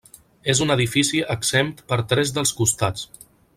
És un edifici exempt per tres dels costats.